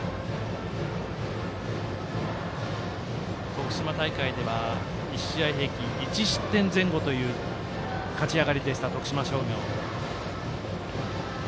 徳島大会では１試合平均１失点前後という勝ち上がりでした、徳島商業。